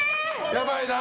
やばいな。